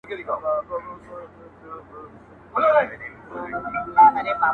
څراغه بلي لمبې وکړه!!